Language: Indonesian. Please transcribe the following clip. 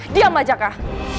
diam saja kak